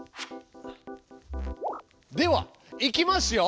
ではいきますよ。